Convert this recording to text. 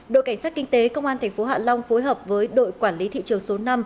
đội cảnh sát kinh tế công an tp hạ long phối hợp với đội quản lý thị trường số năm